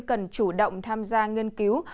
cần chủ động tham gia nghiên cứu